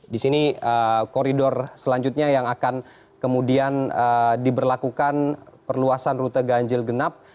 di sini koridor selanjutnya yang akan kemudian diberlakukan perluasan rute ganjil genap